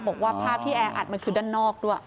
บอกว่าภาพที่แออัดมันคือด้านนอกด้วย